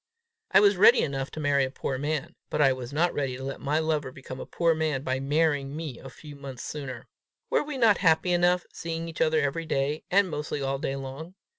I was ready enough to marry a poor man, but I was not ready to let my lover become a poor man by marrying me a few months sooner. Were we not happy enough, seeing each other everyday, and mostly all day long?